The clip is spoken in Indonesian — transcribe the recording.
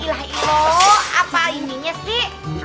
ilah iloh apa ininya sih